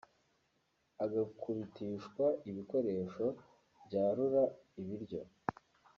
agakubitishwa ibikoresho byarura ibiryo